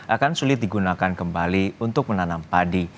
akan sulit digunakan kembali untuk menanam padi